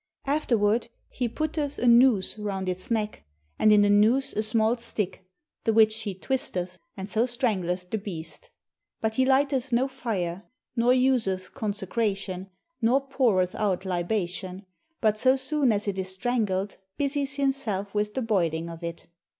Afterward he putteth a noose round its neck, and in the noose a small stick, the which he twisteth, and so strangleth the beast. But he lighteth no fire, nor useth consecration, nor poureth out libation; but so soon as it is strangled busies himself with the boiling of it.